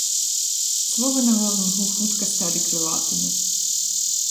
Словы на лозунгу хутка сталі крылатымі.